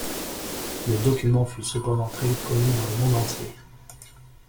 Le document fut cependant très vite connu dans le monde entier.